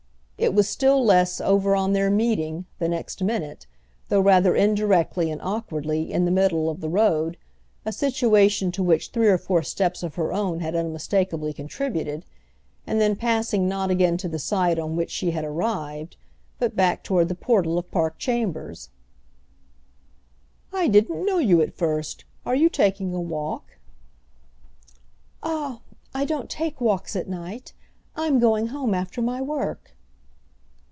It was still less over on their meeting, the next minute, though rather indirectly and awkwardly, in the middle, of the road—a situation to which three or four steps of her own had unmistakeably contributed—and then passing not again to the side on which she had arrived, but back toward the portal of Park Chambers. "I didn't know you at first. Are you taking a walk?" "Ah I don't take walks at night! I'm going home after my work."